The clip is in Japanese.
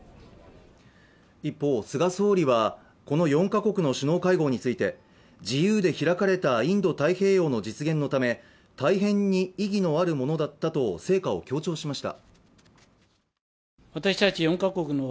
一方、菅総理はこの４カ国の首脳会合について自由で開かれたインド太平洋の実現のため大変に意義のあるものだったと成果を強調しました。